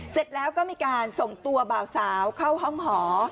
เสร็จแล้วก็มีการส่งตัวบ่าวสาวเข้าห้องหอ